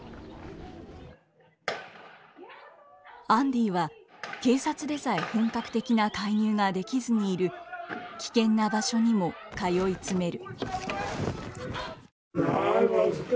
アンディは警察でさえ本格的な介入ができずにいる危険な場所にも通い詰める。